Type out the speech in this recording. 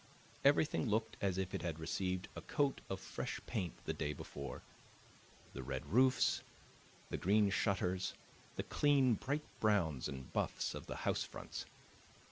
Everything looked as if it had received a coat of fresh paint the day before the red roofs, the green shutters, the clean, bright browns and buffs of the housefronts.